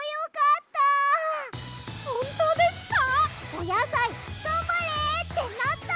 おやさいがんばれってなった！